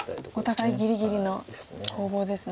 お互いぎりぎりの攻防ですね。